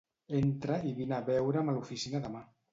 Entra i vine a veure'm a l'oficina demà.